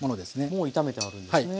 もう炒めてあるんですね。